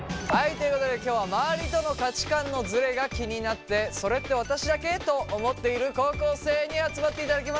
ということで今日は周りとの価値観のズレが気になって「それって私だけ？」と思っている高校生に集まっていただきました。